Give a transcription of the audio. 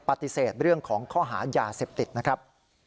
ปฏิเสธเรื่องของข้อหายาเสพติดนะครับ